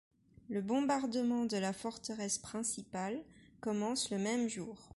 Le bombardement de la forteresse principale commence le même jour.